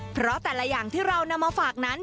เพราะแต่ละอย่างที่เรานำมาฝากนั้น